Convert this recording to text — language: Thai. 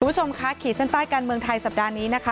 คุณผู้ชมค่ะขีดเส้นใต้การเมืองไทยสัปดาห์นี้นะคะ